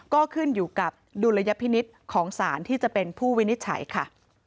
ก็ขึ้นอยู่กับดุลยพินิษฐ์ของสารที่จะเป็นผู้วินิจฉัยค่ะ